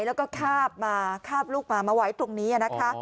แล้วก็คาบมาคาบลูกมามาไว้ตรงนี้นะคะ